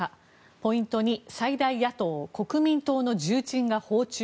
ポイント２最大野党・国民党の重鎮が訪中。